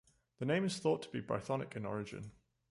The name is thought to be Brythonic in origin.